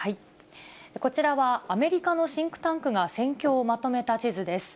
こちらはアメリカのシンクタンクが戦況をまとめた地図です。